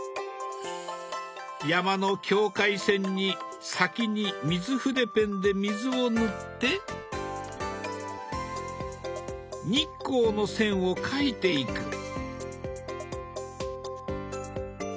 山の境界線に先に水筆ペンで水を塗って日光の線を描いていく。